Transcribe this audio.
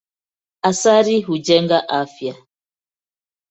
Asali hujenga afya.